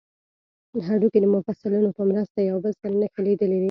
هډوکي د مفصلونو په مرسته یو بل سره نښلیدلي دي